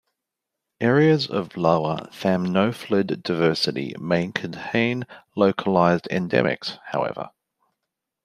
Areas of lower thamnophilid diversity may contain localised endemics, however.